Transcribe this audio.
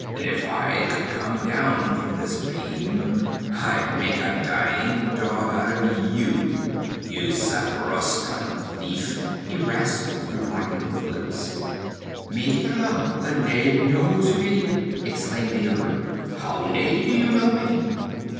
'If I could come down from this beam I'd make a dying dog out of you, you Zaporoskan thief!' he rasped through blackened lips. 'Mitra, the knave knows me!' exclaimed the other. 'How, knave, do you know me?'